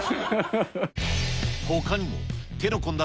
ほかにも、手の込んだ